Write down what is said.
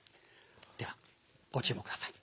ではご注目ください。